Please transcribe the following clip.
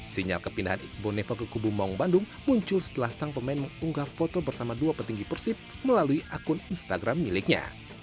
sinyal kepindahan iqbo neva ke kubu maung bandung muncul setelah sang pemain mengunggah foto bersama dua petinggi persib melalui akun instagram miliknya